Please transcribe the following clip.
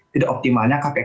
tidak optimalnya kpk